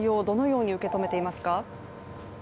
どのように受け止めていますか。